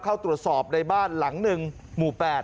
เข้าตรวจสอบในบ้านหลังหนึ่งหมู่๘